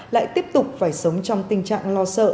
lại tiếp tục phải sống trong tình trạng lo sợ